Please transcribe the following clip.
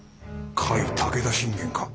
甲斐武田信玄か。